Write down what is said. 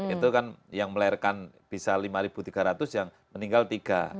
itu kan yang melahirkan bisa lima tiga ratus yang meninggal tiga